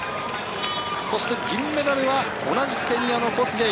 そして銀メダルは同じくケニアのコスゲイ。